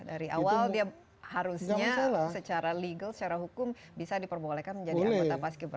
dari awal dia harusnya secara legal secara hukum bisa diperbolehkan menjadi anggota paski bera